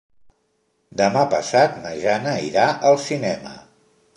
Demà passat na Jana irà al cinema.